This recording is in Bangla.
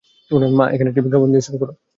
পরে, মা একটি বিজ্ঞাপন ব্যবসা শুরু করে।